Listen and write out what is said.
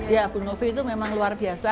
ya bu novi itu memang luar biasa